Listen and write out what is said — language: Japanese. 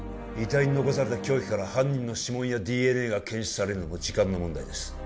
遺体に残された凶器から犯人の指紋やＤＮＡが検出されるのも時間の問題です